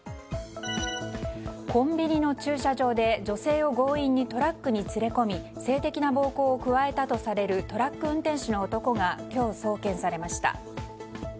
コンビニの駐車場で女性を強引にトラックに連れ込み性的な暴行を加えたとされるトラック運転手の男が今日、送検されました。